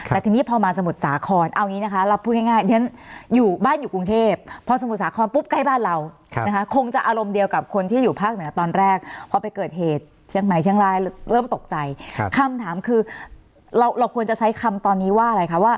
แล้วทีนี้พอมาสมุทรสาครเอางี้นะฮะรับพูดให้ง่าย